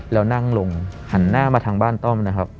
แล้วนั่งลงหันหน้ามาทางบ้านต้อมนะครับ